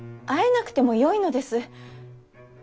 会えなくてもよいのです。